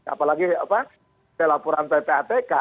apalagi ya apa telaporan ppatk